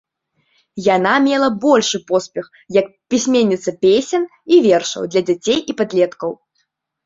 Яна мела большы поспех як пісьменніца песень і вершаў для дзяцей і падлеткаў.